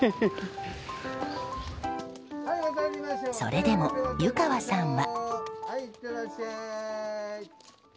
それでも、湯川さんは。